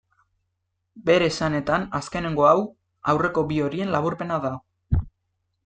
Bere esanetan, azkenengo hau, aurreko bi horien laburpena da.